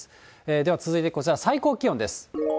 では続いてこちら、最高気温です。